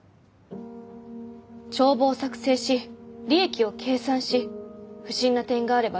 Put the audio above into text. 帳簿を作成し利益を計算し不審な点があれば原因を明らかにし。